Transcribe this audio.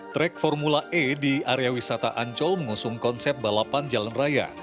track formula e di area wisata ancol mengusung konsep balapan jalan raya